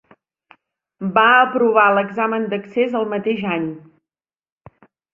Va aprovar l'examen d'accés el mateix any.